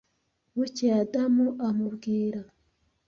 bukeye adamu amubwira